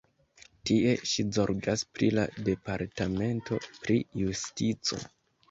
Tie ŝi zorgas pri la Departamento pri Justico.